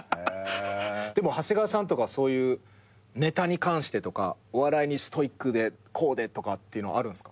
でも長谷川さんとかはそういうネタに関してとかお笑いにストイックでこうでとかっていうのはあるんすか？